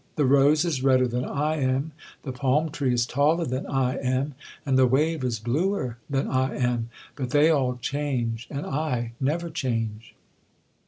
The rose is redder than I am—the palm tree is taller than I am—and the wave is bluer than I am;—but they all change, and I never change.